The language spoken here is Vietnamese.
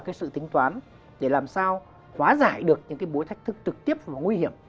cái sự tính toán để làm sao hóa giải được những cái bối thách thức trực tiếp và nguy hiểm